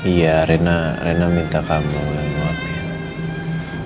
iya rena minta kamu yang suapin